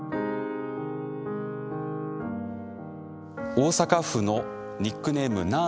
大阪府のニックネームなー